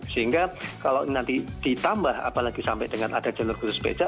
sehingga kalau nanti ditambah apalagi sampai dengan ada jalur khusus pecah